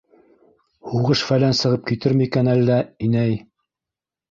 Һуғыш-фәлән сығып китер микән әллә, инәй?